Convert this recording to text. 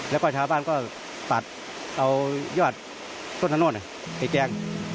แล้วก็ชาวบ้านก็ตัดเอายอดต้นถนนพี่แจ๊ค